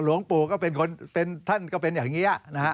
หลวงปู่ก็เป็นอย่างนี้